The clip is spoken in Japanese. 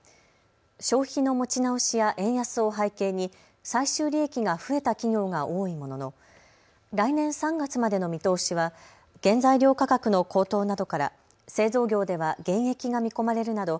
消費の持ち直しや円安を背景に最終利益が増えた企業が多いものの来年３月までの見通しは原材料価格の高騰などから製造業では減益が見込まれるなど